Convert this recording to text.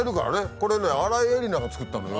「これね新井恵理那が作ったのよ」